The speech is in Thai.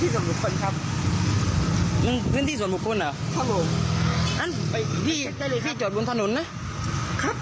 ส่วนพื้นที่ส่วนบุคคลครับ